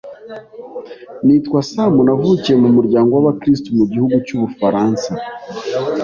Nitwa Sam navukiye mu muryango w’abakristo mu gihugu cy’Ubufaransa,